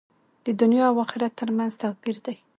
د دنیا او آخرت تر منځ توپیر دی.